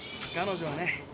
彼女はね